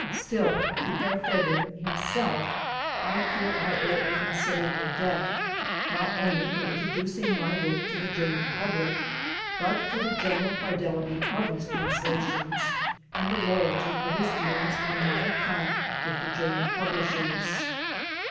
Still to Herr Federn himself I feel I owe a considerable debt, not only for introducing my work to the German public, but for the general fidelity of his translations and the loyalty of his dealings on my account with the German publishers.